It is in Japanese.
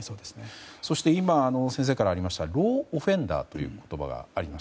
そして今先生からありましたローン・オフェンダーという言葉があります。